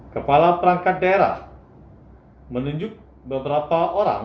kepala perangkat daerah menunjuk beberapa orang